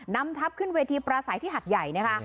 นำทัพขึ้นเวทีประสัยที่หัดใหญ่นะคะ